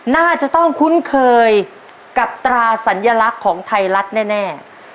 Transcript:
น่าจะต้องคุ้นเคยกับตราสัญลักษณ์ของไทยรัฐแน่